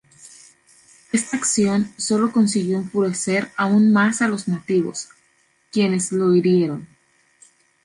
Esta acción solo consiguió enfurecer aún más a los nativos, quienes lo hirieron.